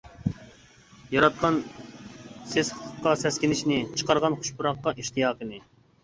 ياراتقان سېسىقلىققا سەسكىنىشنى، چىقارغان خۇش پۇراققا ئىشتىياقىنى.